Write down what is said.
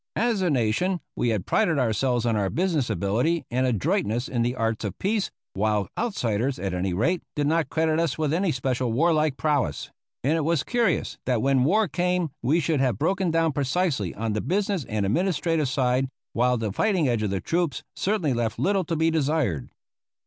As a nation we had prided ourselves on our business ability and adroitness in the arts of peace, while outsiders, at any rate, did not credit us with any especial warlike prowess; and it was curious that when war came we should have broken down precisely on the business and administrative side, while the fighting edge of the troops certainly left little to be desired.